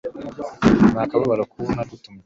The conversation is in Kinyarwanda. ku kababaro k'uwo nagutumye